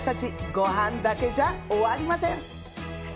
ごはんだけじゃ終わりません